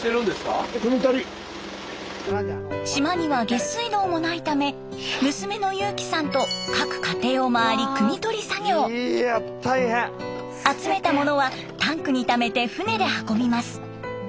島には下水道もないため娘の侑季さんと各家庭を回り集めたものはタンクにためて船で運びます。